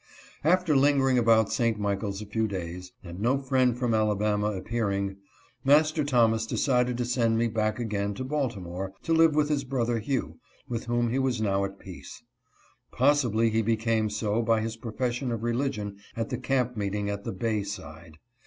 After lingering about St. Michaels a few days, and no friend from Alabama appearing, Master Thomas decided to send me back again to Baltimore, to live with his brother Hugh, with whom he was now at peace. Possibly he became so by his profession of religion at the camp meeting in the Bay side.